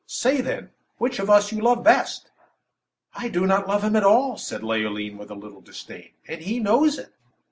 Say, then, which of as you love best." "I do not love him at all," said Leoline, with a little disdain, "and he knows it."